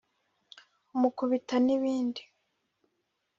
umukubita n’ibindi